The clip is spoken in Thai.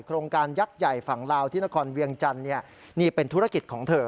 โครงการยักษ์ใหญ่ฝั่งลาวที่นครเวียงจันทร์นี่เป็นธุรกิจของเธอ